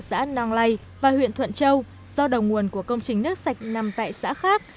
xã nang lay và huyện thuận châu do đầu nguồn của công trình nước sạch nằm tại xã khác